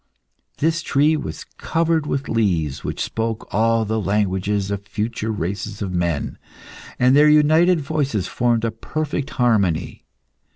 This tree was covered with leaves which spoke all the languages of future races of men, and their united voices formed a perfect harmony.